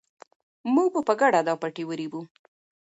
موږ به په ګډه دا پټی ورېبو.